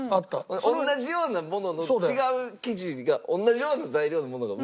同じようなものの違う生地が同じような材料のものが上に。